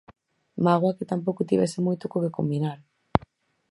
Mágoa que tampouco tivese moito co que combinar.